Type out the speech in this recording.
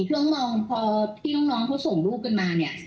น้องมองพอพี่น้องเขาส่งรูปกันมาเนี่ย